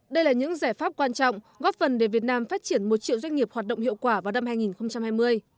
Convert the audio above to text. đây là những giải pháp quan trọng góp phần để việt nam phát triển một triệu doanh nghiệp hoạt động hiệu quả vào năm hai nghìn hai mươi